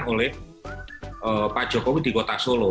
oleh pak jokowi di kota solo